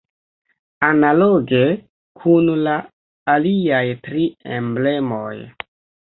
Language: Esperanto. Analoge kun la aliaj tri emblemoj.